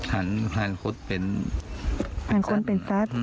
หั่นคนเป็นซัตย์